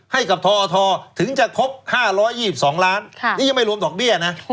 ให้กับทออทอถึงจะครบ๕๒๒ล้านนี่ยังไม่รวมต่อเบี้ยนะ